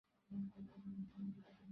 আমার এ রকম মনে হচ্ছে।